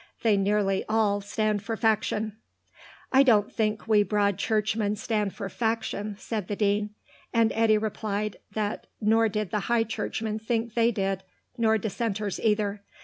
They nearly all stand for faction." "I don't think we Broad Churchmen stand for faction," said the Dean, and Eddy replied that nor did the High Churchmen think they did, nor dissenters either.